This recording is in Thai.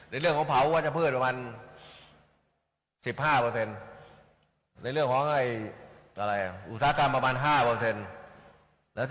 ในเรื่องของเผาว่าจะเพื่อนประมาณ๑๕เปอร์เซ็นต์